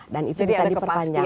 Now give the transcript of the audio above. dan itu bisa diperpanjang